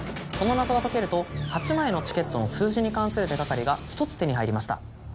この謎が解けると８枚のチケットの数字に関する手がかりが１つ手に入りました。